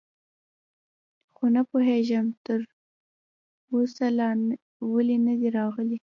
خو نه پوهېږم، چې تراوسه لا ولې نه دي راغلي.